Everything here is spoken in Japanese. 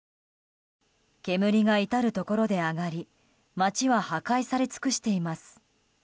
煙が至るところで上がり街は破壊され尽くしています。